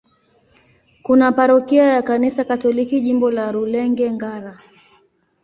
Kuna parokia ya Kanisa Katoliki, Jimbo la Rulenge-Ngara.